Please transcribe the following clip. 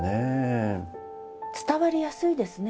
伝わりやすいですね。